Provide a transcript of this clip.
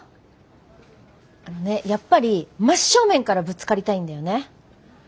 あのねやっぱり真っ正面からぶつかりたいんだよね。